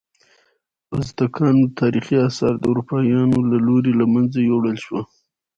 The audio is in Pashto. ازتکانو تاریخي آثار د اروپایانو له لوري له منځه یوړل شول.